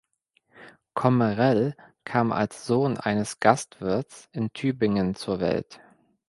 Kommerell kam als Sohn eines Gastwirts in Tübingen zur Welt.